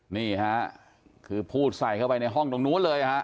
นี่ฮะคือพูดใส่เข้าไปในห้องตรงนู้นเลยฮะ